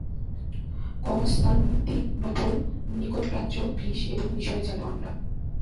Constantinople, নিকট প্রাচ্য, Greece এবং মিশরে যাব আমরা।